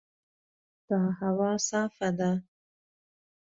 دا هوا صافه ده.